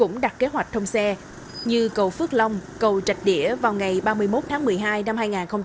các công trình đã đặt kế hoạch thông xe như cầu phước long cầu trạch đĩa vào ngày ba mươi một tháng một mươi hai năm hai nghìn hai mươi bốn